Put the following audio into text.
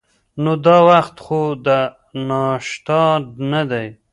نو دا وخت خو د ناشتا نه دی.